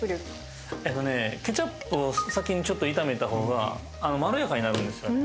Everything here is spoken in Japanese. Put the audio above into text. あのねケチャップを先にちょっと炒めた方がまろやかになるんですよね。